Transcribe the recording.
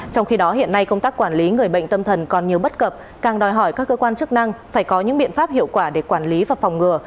trong khi đó hiện nay công tác quản lý người bệnh tâm thần còn nhiều bất cập càng đòi hỏi các cơ quan chức năng phải có những biện pháp hiệu quả để quản lý và phòng ngừa